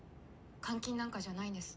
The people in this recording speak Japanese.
監禁なんかじゃないです。